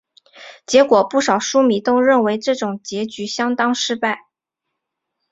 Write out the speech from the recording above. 结果不少书迷都认为这种结局相当失败。